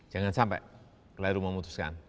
jangan sampai keleru memutuskan